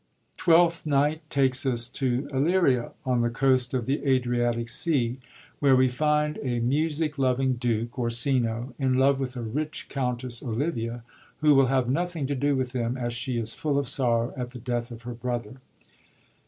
Twelfth Night takes us to Illyria, on the coast of the Adriatic Sea, where we find a music loving Duke, Orsino, in love with a rich Countess, Olivia, who will have nothing to do with him, as she is full of sorrow at the death of her bi'other.